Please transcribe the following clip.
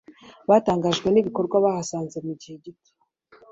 Batangajwe n'ibikorwa bahasanze mugihe gato